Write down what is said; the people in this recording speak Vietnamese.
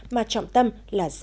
mà trọng tâm là rác thải nhựa